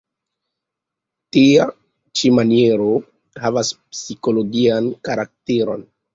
Tia ĉi maniero havas psikologian karakteron.